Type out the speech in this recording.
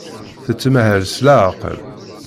Tettmahal s leɛqel.